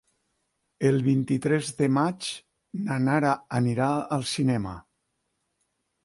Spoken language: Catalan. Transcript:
El vint-i-tres de maig na Nara anirà al cinema.